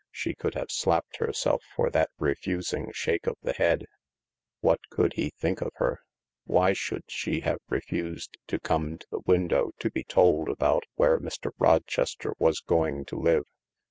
She could have slapped herself for that refusing shake of the head. What would he think of P 226 THE LARK her ? Why should she have refused to come to the window to be told about where Mr. Rochester was going to live